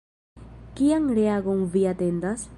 Kian reagon vi atendas?